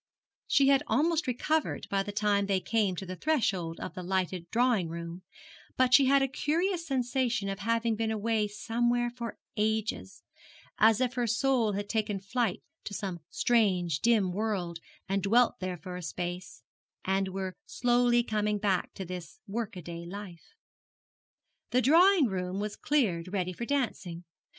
She had almost recovered by the time they came to the threshold of the lighted drawing room; but she had a curious sensation of having been away somewhere for ages, as if her soul had taken flight to some strange dim world and dwelt there for a space, and were slowly coming back to this work a day life. The drawing room was cleared ready for dancing.